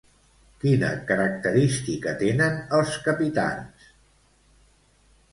Quina característica tenen els capitans?